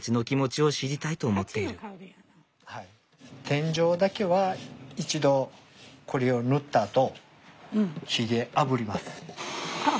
天井だけは一度これを塗ったあと火であぶります。